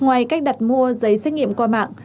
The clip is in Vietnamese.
ngoài cách đặt mua giấy xét nghiệm qua mạng